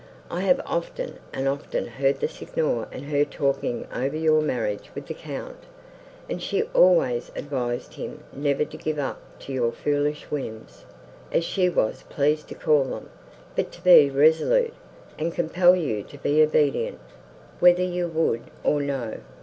I have often, and often, heard the Signor and her talking over your marriage with the Count, and she always advised him never to give up to your foolish whims, as she was pleased to call them, but to be resolute, and compel you to be obedient, whether you would, or no.